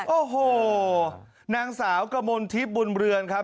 โอ้โหนางสาวกมลทิพย์บุญเรือนครับ